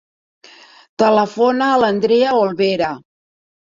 Telefona a l'Andrea Olvera.